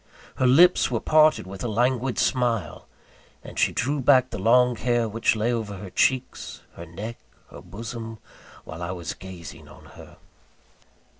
Her lips were parted with a languid smile; and she drew back the long hair, which lay over her cheeks, her neck, her bosom, while I was gazing on her.